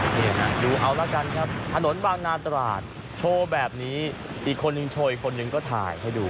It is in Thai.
นี่ดูเอาละกันครับถนนบางนาตราดโชว์แบบนี้อีกคนนึงโชว์อีกคนนึงก็ถ่ายให้ดู